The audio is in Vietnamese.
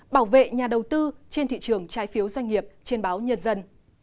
bảo vệ nhà đầu tư trên thị trường trái phiếu doanh nghiệp trên báo nhân dân